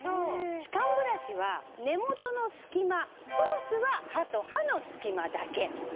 歯間ブラシは根元の隙間フロスは歯と歯の隙間だけ。